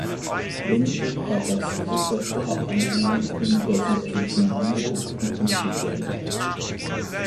Limerick war Gastprofessor an den Universitäten Hamburg und Michigan.